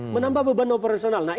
menambah beban operasional